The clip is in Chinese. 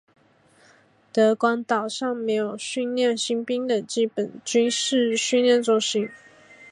德光岛上设有训练新兵的基本军事训练中心。